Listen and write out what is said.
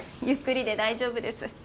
ゆっくりで大丈夫です。